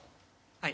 はい。